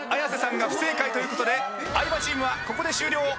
綾瀬さんが不正解ということで相葉チームはここで終了。